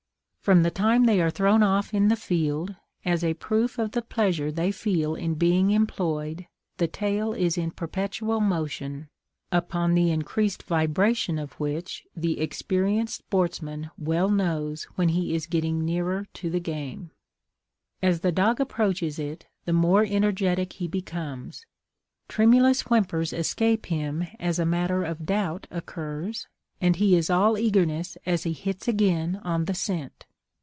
From the time they are thrown off in the field, as a proof of the pleasure they feel in being employed, the tail is in perpetual motion, upon the increased vibration of which the experienced sportsman well knows when he is getting nearer to the game. As the dog approaches it, the more energetic he becomes. Tremulous whimpers escape him as a matter of doubt occurs, and he is all eagerness as he hits again on the scent.